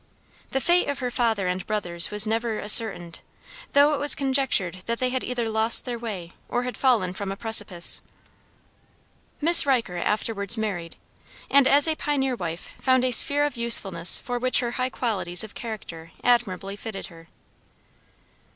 The fate of her father and brothers was never ascertained, though it was conjectured that they had either lost their way or had fallen from a precipice. Miss Riker afterwards married, and, as a pioneer wife, found a sphere of usefulness for which her high qualities of character admirably fitted her.